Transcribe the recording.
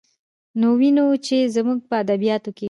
نو وينو، چې زموږ په ادبياتو کې